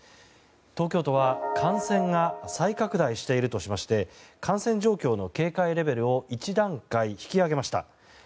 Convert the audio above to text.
東京都は感染が再拡大しているとしまして感染状況の警戒レベルを１段階引き上げました。